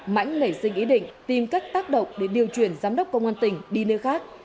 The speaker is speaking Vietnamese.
mãnh nảy sinh ý định tìm các tác động để điều chuyển giám đốc công an tỉnh đi nơi khác